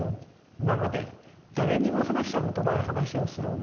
今まで誰にも話したことない話をするんなら。